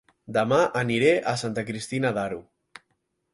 Dema aniré a Santa Cristina d'Aro